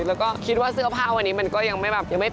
แล้วก็คิดว่าเสื้อผ้าวันนี้มันก็ยังไม่เป๊ะมาก